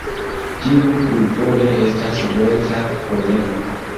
Tiu grupo ne estas unueca problemo.